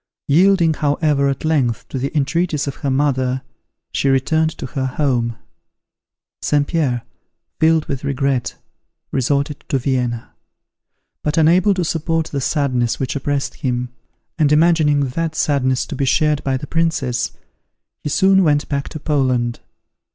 Yielding, however, at length, to the entreaties of her mother, she returned to her home. St. Pierre, filled with regret, resorted to Vienna; but, unable to support the sadness which oppressed him, and imagining that sadness to be shared by the Princess, he soon went back to Poland.